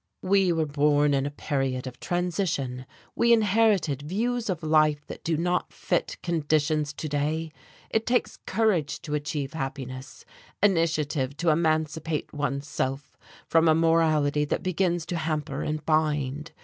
We were born in a period of transition, we inherited views of life that do not fit conditions to day. It takes courage to achieve happiness, initiative to emancipate one's self from a morality that begins to hamper and bind.